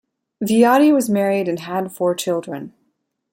Viotti was married and had four children.